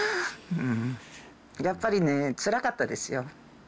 やっぱりね、つらかったですよ。